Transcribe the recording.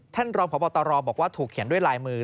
ท่านรองพบตรบอกว่าถูกเขียนด้วยลายมือ